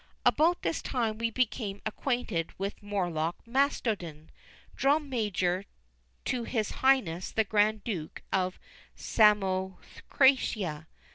About this time we became acquainted with Morlock Mastodon, Drum Major to his highness the Grand Duke of Samothracia.